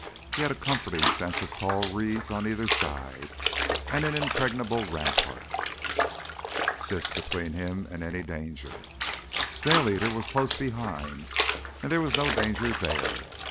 He had a comforting sense of tall reeds on either side, and an impregnable rampart, Siss, between him and any danger. Snail eater was close behind and there was no danger there.